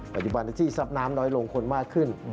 ปัจจุบันจี้ซับน้ำน้อยลงคนมากขึ้น